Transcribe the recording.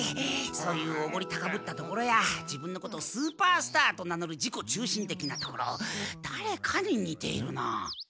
そういうおごり高ぶったところや自分のことをスーパースターと名のる自己中心的なところだれかににているな。